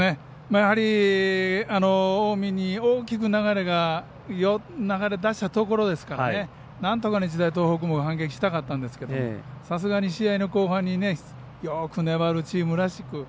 やはり近江に大きく流れが流れ出したところですからなんとか、日大東北も反撃したかったんですがさすがに試合の後半によく粘るチームらしく。